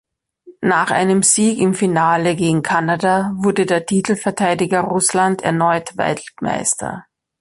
Nach einem Sieg im Finale gegen Kanada wurde der Titelverteidiger Russland erneut Weltmeister.